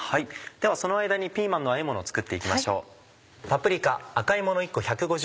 その間にピーマンのあえものを作って行きましょう。